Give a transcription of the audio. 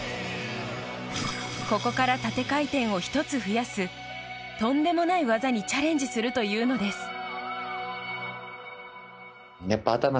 ここから縦回転を１つ増やすとんでもない技にチャレンジするというのです。